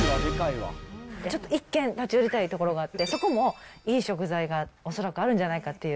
ちょっと１軒、立ち寄りたい所があって、そこもいい食材が恐らくあるんじゃないかという。